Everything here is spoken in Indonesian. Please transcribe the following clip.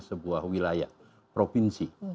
sebuah wilayah provinsi